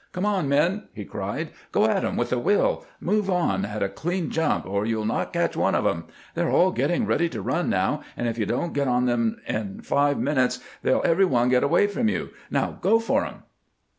" Come on, men," he cried ;" go at 'em with a will ! Move on at a clean jump, or you '11 not catch one of 'em. They 're all getting ready to run now, and if you don't get on to them in five minutes they '11 every one get away from you ! Now go for them